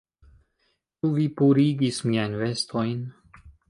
Ĉu vi purigis miajn vestojn?